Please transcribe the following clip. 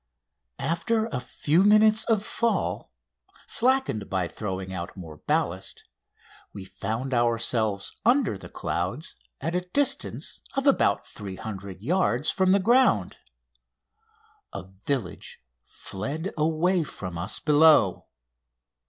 After a few minutes of fall, slackened by throwing out more ballast, we found ourselves under the clouds at a distance of about 300 yards from the ground. A village fled away from us below.